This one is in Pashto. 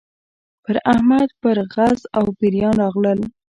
پر احمد پرغز او پېریان راغلل.